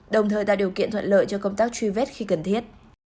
đồng thời tạo điều kiện thuận lợi cho công tác truy vết khi cần thiết